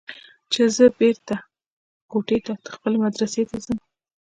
چې زه بېرته کوټې ته خپلې مدرسې ته ځم.